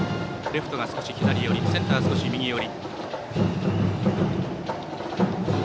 レフトが少し左寄りセンターは少し右寄り。